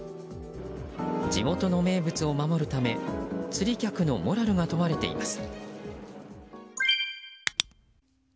地元の名物を守るため釣り客のモラルが問われています。